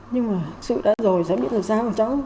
nhưng mà sự đã rồi cháu biết là sao cháu